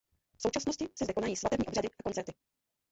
V současnosti se zde konají svatební obřady a koncerty.